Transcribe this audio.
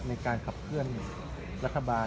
ในการขับเคลื่อนรัฐบาล